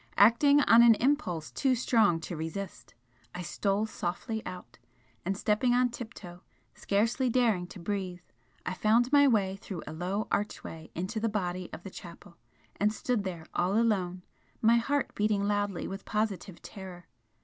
Acting on an impulse too strong to resist, I stole softly out, and stepping on tiptoe, scarcely daring to breathe, I found my way through a low archway into the body of the chapel, and stood there all alone, my heart beating loudly with positive terror.